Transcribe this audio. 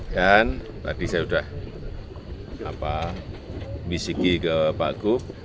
dan tadi saya sudah misiki ke pak gu